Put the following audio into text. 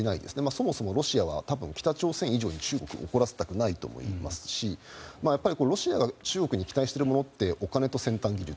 そもそもロシアは、北朝鮮以上に中国を怒らせたくないと思いますしロシアが中国に期待しているものはお金と先端技術。